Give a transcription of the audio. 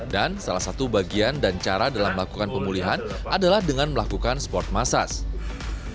dan salah satu bagian dan cara dalam melakukan pemulihan adalah dengan melakukan sport massage